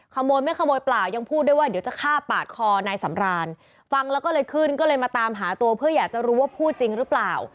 ขโมยไม่ขโมยเปล่ายังพูดด้วยว่าเดี๋ยวจะฆ่าปาดคอนายสำรานฟังแล้วก็เลยขึ้นก็เลยมาตามหาตัวเพื่ออยากจะรู้ว่าพูดจริงหรือเปล่า